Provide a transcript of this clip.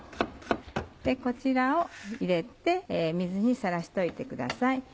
こちらを入れて水にさらしといてください。